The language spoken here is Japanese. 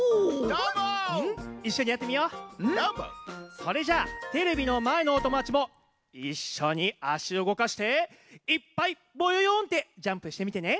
それじゃテレビのまえのおともだちもいっしょにあしうごかしていっぱい「ぼよよん」ってジャンプしてみてね。